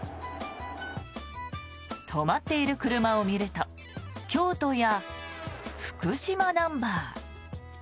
止まっている車を見ると京都や福島ナンバー。